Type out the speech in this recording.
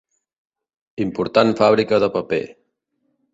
Important fàbrica de paper.